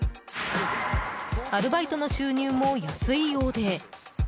アルバイトの収入も安いようで。